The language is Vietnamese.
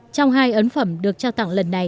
trong hai ấn phẩm được trao tặng lần này